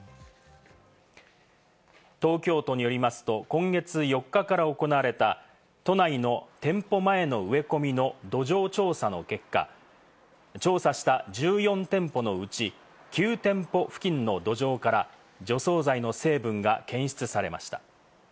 東京都によりますと、今月４日から行われた都内の店舗前の植え込みの土壌調査の結果、調査した１４店舗のうち９店舗付近の土壌から除草剤の成分が検出されました。